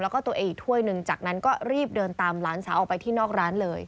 แล้วก็ตัวเองอีกถ้วยหนึ่งจากนั้นก็รีบเดินตามหลานสาวออกไปที่นอกร้านเลย